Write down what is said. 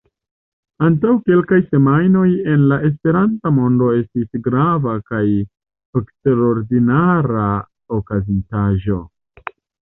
Antaŭ kelkaj semajnoj en la Esperanta mondo estis grava kaj eksterordinara okazintaĵo.